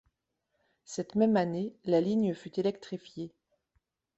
Cette même année, la ligne fut électrifiée.